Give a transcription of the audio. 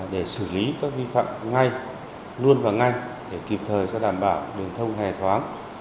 để xử lý các vi phạm ngay luôn và ngay để kịp thời cho đảm bảo đường thông hề thoáng